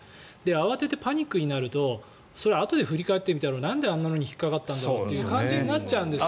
慌てて、パニックになるとあとで振り返るとなんであんなのに引っかかったんだろうって感じになっちゃうんですよ。